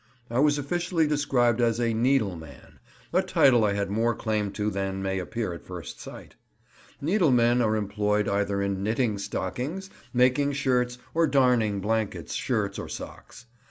I was officially described as a "needleman," a title I had more claim to than may appear at first sight. Needlemen are employed either in knitting stockings, making shirts, or darning blankets, shirts, or socks.